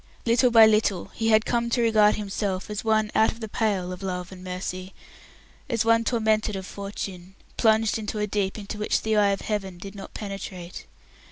Little by little he had come to regard himself as one out of the pale of love and mercy, as one tormented of fortune, plunged into a deep into which the eye of Heaven did not penetrate.